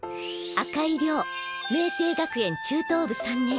赤井遼明青学園中等部３年。